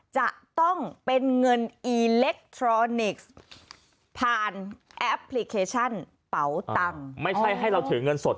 จะต้องเป็นเงินอิเล็กทรอนิกส์